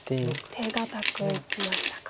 手堅くいきましたか。